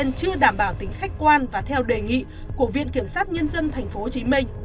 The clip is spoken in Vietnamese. pháp y trên chưa đảm bảo tính khách quan và theo đề nghị của viện kiểm sát nhân dân tp hcm